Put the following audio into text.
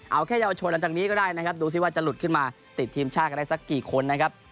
เอาแค่เยาวชนหลังจากนี้ก็ได้นะครับดูสิว่าจะหลุดขึ้นมาติดทีมชาติกันได้สักกี่คนนะครับ